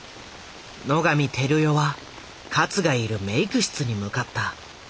野上照代は勝がいるメイク室に向かった。